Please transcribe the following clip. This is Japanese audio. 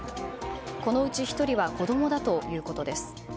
このうち１人は子供だということです。